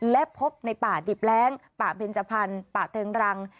และพบในป่าดิบแร้งป่าเบนจพันธุ์ป่าเติงรัง